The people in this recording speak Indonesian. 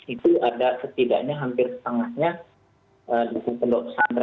itu ada setidaknya hampir setengahnya